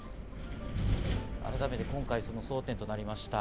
改めて今回争点となりました。